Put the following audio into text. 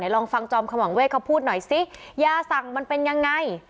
ลองฟังจอมขมังเวทเขาพูดหน่อยซิยาสั่งมันเป็นยังไง